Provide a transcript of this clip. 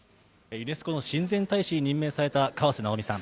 ユネスコの親善大使に任命された河瀬直美さん。